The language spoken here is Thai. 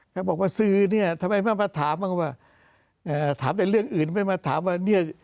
เขาบอกว่าซื้อเนี่ยทำไมไม่มาถามบ้างว่าถามแต่เรื่องอื่นไม่มาถามว่าเนี่ย